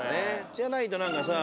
じゃないと何かさ。